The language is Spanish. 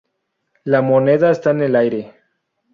La moneda está en el aire…